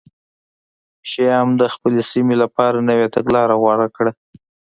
شیام د خپلې سیمې لپاره نوې تګلاره غوره کړه